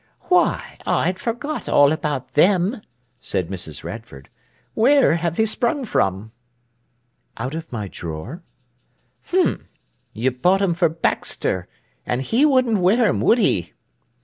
"Why, I'd forgot all about them!" said Mrs. Radford. "Where have they sprung from?" "Out of my drawer." "H'm! You bought 'em for Baxter, an' he wouldn't wear 'em, would he?"